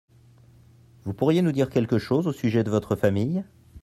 Vous pourriez nous dire quelque chose au sujet de votre famille ?